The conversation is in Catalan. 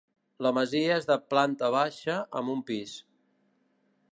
La masia és de planta baixa amb un pis.